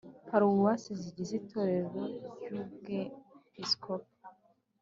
Paruwase zigize itorero ry Ubwepiskopi